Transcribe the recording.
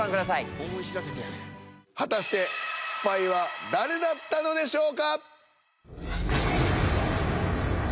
果たしてスパイは誰だったのでしょうか？